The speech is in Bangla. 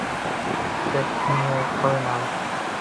প্যাক করে নাও!